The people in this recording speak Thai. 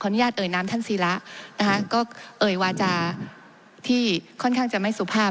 ญาตเอ่ยน้ำท่านศีระนะคะก็เอ่ยวาจาที่ค่อนข้างจะไม่สุภาพ